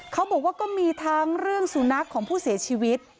เขาบอกว่าก็มีทั้งเรื่องสุนัขของผู้เสียชีวิต